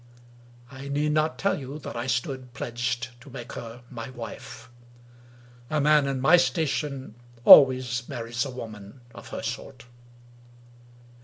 I need not tell you that I stood pledged to make her my wife. A man in my station always marries a woman of her sort.